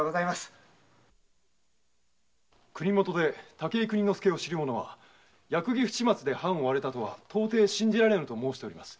武井邦之助を知る者は役儀不始末で藩を追われたとは信じられぬと申しております。